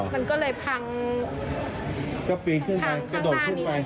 มันก็เลยพังพังข้างหน้านี้